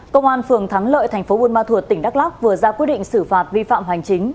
công an phường thắng lợi thành phố buôn ma thuột tỉnh đắk lắc vừa ra quyết định xử phạt vi phạm hành chính